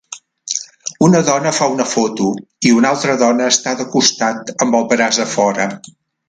Una dona fa una foto i una altra dona està de costat amb el braç a fora